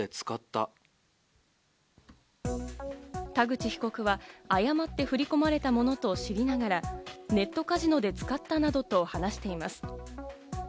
田口被告は誤って振り込まれたものと知りながらネットカジノで使ったなどと話しています。